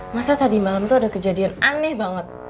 masa tadi malam itu ada kejadian aneh banget